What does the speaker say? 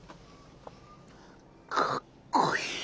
かっこいい！